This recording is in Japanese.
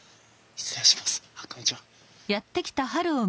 失礼しますあっこんにちは。